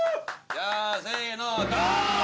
じゃあせのドン！